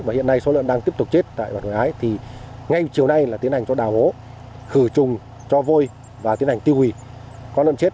và hiện nay số lợn đang tiếp tục chết tại bà quảng ngãi thì ngay chiều nay là tiến hành cho đào hố khử trùng cho vôi và tiến hành tiêu hủy con lợn chết